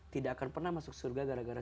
tidak akan pernah masuk surga gara gara